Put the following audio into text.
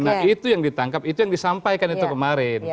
nah itu yang ditangkap itu yang disampaikan itu kemarin